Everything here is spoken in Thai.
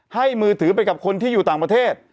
มือถือไปกับคนที่อยู่ต่างประเทศ